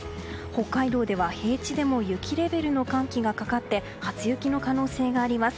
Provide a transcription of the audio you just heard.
北海道では平地でも雪レベルの寒気がかかって初雪の可能性があります。